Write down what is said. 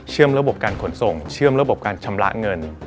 ระบบการขนส่งเชื่อมระบบการชำระเงิน